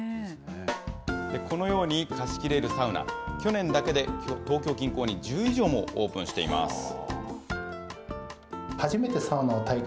このように、貸し切れるサウナ、去年だけで東京近郊に１０以上もオープンしています。